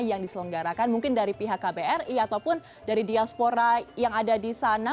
yang diselenggarakan mungkin dari pihak kbri ataupun dari diaspora yang ada di sana